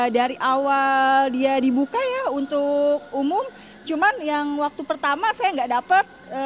dari awal dia dibuka ya untuk umum cuman yang waktu pertama saya nggak dapat